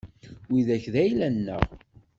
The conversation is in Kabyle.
Widak d ayla-nneɣ.